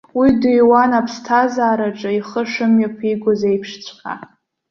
Уи дыҩуан аԥсҭазаараҿы ихы шымҩаԥигоз еиԥшҵәҟьа.